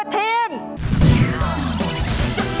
ทีมที่ชนะ